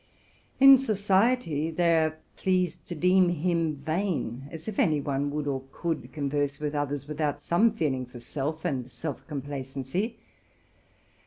In society they consider him vain; as if any one would or could con verse with others without some feeling for self and self com placency!